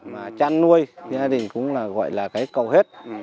mà chăn nuôi gia đình cũng gọi là cái cầu hết